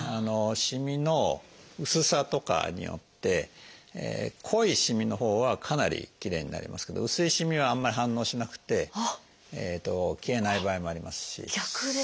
しみの薄さとかによって濃いしみのほうはかなりきれいになりますけど薄いしみはあんまり反応しなくて消えない場合もありますし。